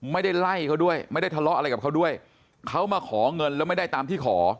ไม่ได้ไล่เขาด้วยไม่ได้ทะเลาะอะไรกับเขาด้วยเขามาขอเงินแล้วไม่ได้ตามที่ขอ